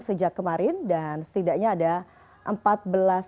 sejak kemarin dan setidaknya ada